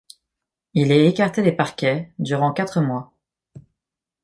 Il est écarté des parquets durant quatre mois.